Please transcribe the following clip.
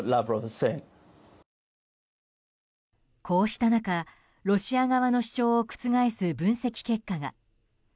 こうした中、ロシア側の主張を覆す分析結果が。